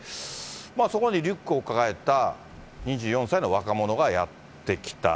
そこまでリュックを抱えた２４歳の若者がやって来た。